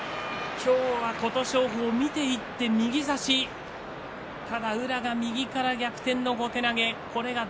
今日は琴勝峰見ていって右差しから宇良が右から逆転の小手投げ。